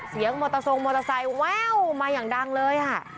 ตรงมอเตอร์ไซค์ว้าวมาอย่างดังเลย